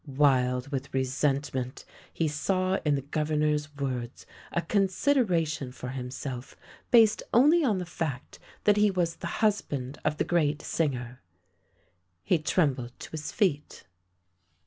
Wild with resentment, he saw in the Gov ernor's words a consideration for himself based only on the fact that he was the husband of the great singer. He trembled to his feet.